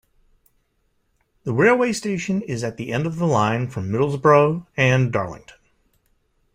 The railway station is at the end of the line from Middlesbrough and Darlington.